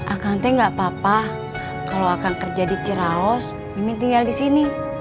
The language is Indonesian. akang teh gak papa kalau akang kerja di ciraos mimin tinggal di sini